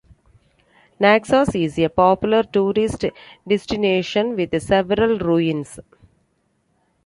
Naxos is a popular tourist destination, with several ruins.